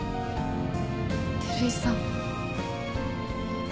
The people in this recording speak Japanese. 照井さん。